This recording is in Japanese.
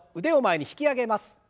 腕を前に引き上げます。